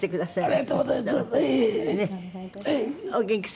ありがとうございます。